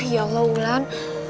ya allah wulan